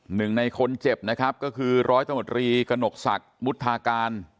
หนึ่งในคนเจ็บนะครับก็คือร้อยตำรวจรีกระหนกศักดิ์มุทาการ